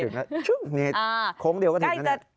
โค้งใกล้จะถึงแล้วโค้งเดียวก็ถึงแล้ว